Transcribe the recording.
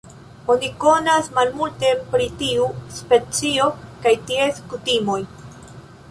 Oni konas malmulte pri tiu specio kaj ties kutimoj.